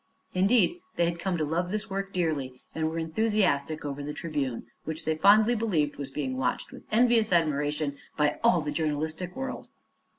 Indeed, they had come to love this work dearly and were enthusiastic over the Tribune, which they fondly believed was being watched with envious admiration by all the journalistic world.